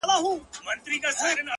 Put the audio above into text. گــــوره زمــا د زړه ســـكــــونـــــه-